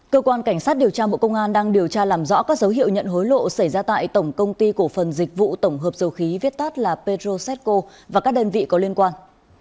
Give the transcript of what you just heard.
cơ quan cảnh sát điều tra bộ công an đang điều tra làm rõ các dấu hiệu nhận hối lộ xảy ra tại tổng công ty cổ phần dịch vụ tổng hợp dầu khí viết tắt là petrosetco và các đơn vị có liên quan